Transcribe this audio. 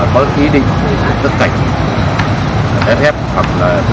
có ý định